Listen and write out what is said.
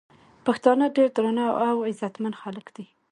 پښتانه ډير درانه او عزتمن خلک دي